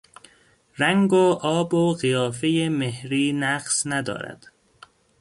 رنگ و آب و قیافهی مهری نقص ندارد.